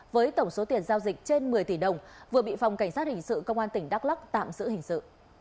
với tổng số tiền giao dịch trên một mươi tỷ đồng vừa bị phòng cảnh sát hình sự công an tp hcm tạm giữ hình sự